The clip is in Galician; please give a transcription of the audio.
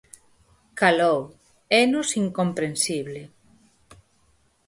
Calou, énos incomprensible.